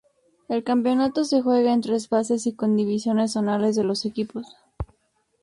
El campeonato se juega en tres fases y con divisiones zonales de los equipos.